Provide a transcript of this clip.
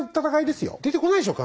出てこないでしょう